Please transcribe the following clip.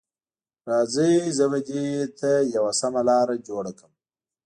راځئ، زه به دې ته یوه سمه لاره جوړه کړم.